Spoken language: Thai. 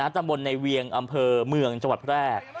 ตำบลในเวียงอำเภอเมืองจังหวัดแพร่